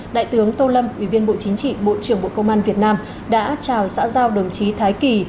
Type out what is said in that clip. đại tướng tô lâm ủy viên bộ chính trị bộ trưởng bộ công an việt nam đã chào xã giao đồng chí thái kỳ